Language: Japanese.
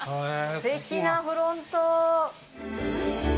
すてきなフロント。